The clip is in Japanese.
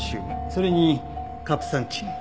それにカプサンチン。